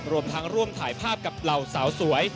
รวมทั้งร่วมถ่ายภาพกับเหล่าสาวสวย